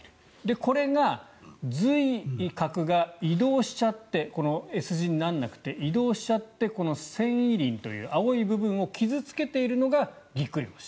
これが髄核が移動しちゃってＳ字にならなくて移動しちゃってこの線維輪という青い部分を傷付けているのがぎっくり腰。